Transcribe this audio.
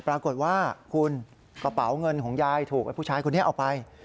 ปรากฏว่าคุณกระเป๋าเงินของยายถูกไอ้ผู้ชายคนนี้เอาไป